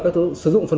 để sao ra